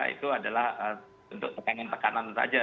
itu adalah untuk tekanan tekanan saja